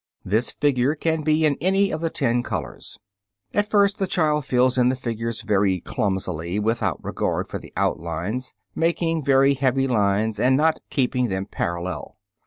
This figure can be in any of the ten colors. At first the children fill in the figures very clumsily without regard for the outlines, making very heavy lines and not keeping them parallel.